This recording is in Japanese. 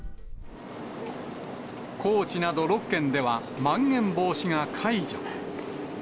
高知など６県では、まん延防止が解除。